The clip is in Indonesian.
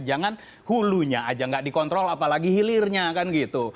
jangan hulunya aja nggak dikontrol apalagi hilirnya kan gitu